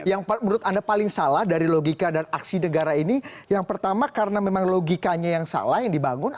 yang menurut anda paling salah dari logika dan aksi negara ini yang pertama karena memang logikanya yang salah yang dibangun